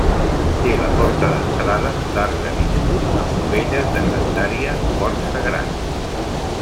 Té la porta d'entrada d'arc de mig punt amb dovelles de grandària força gran.